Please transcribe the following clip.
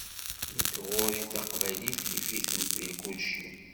Nekk ɣur-i Taqbaylit tif-itent di kulci.